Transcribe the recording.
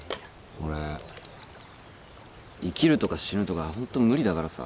俺生きるとか死ぬとかホント無理だからさ。